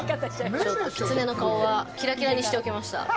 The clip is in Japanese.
ちょっとキツネの顔はキラキラにしておきました。